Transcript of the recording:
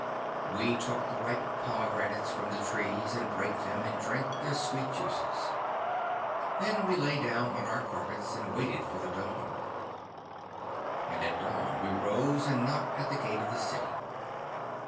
We took the ripe pomegranates from the trees, and brake them, and drank their sweet juices. Then we lay down on our carpets, and waited for the dawn. 'And at dawn we rose and knocked at the gate of the city.